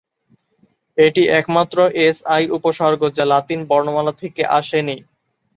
এটি একমাত্র এসআই উপসর্গ যা লাতিন বর্ণমালা থেকে আসে নি।